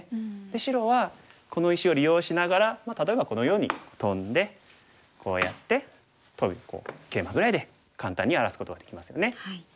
で白はこの石を利用しながら例えばこのようにトンでこうやってトビにケイマぐらいで簡単に荒らすことができますよね。